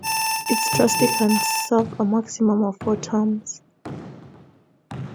Each trustee can serve a maximum of four terms.